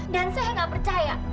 dan saya gak percaya